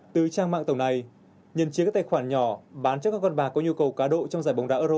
từ trang mạng tổng này nhân chiếc các tài khoản nhỏ bán cho các con bà có nhu cầu cá độ trong giải bóng đá euro hai nghìn hai mươi